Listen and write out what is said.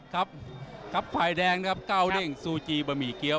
ครับฝ่ายแดงนะครับ๙เด้งซูจีบะหมี่เกี๊ยว